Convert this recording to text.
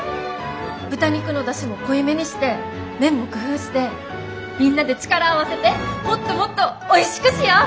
豚肉の出汁も濃いめにして麺も工夫してみんなで力を合わせてもっともっとおいしくしよう！